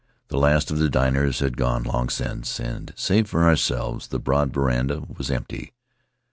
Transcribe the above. The last of the diners had gone long since, and, save for ourselves, the broad veranda was empty.